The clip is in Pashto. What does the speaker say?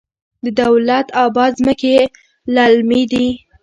د دولت اباد ځمکې للمي دي